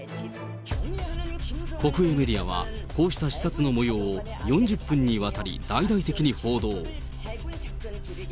国営メディアは、こうした視察のもようを４０分にわたり大々的に報道。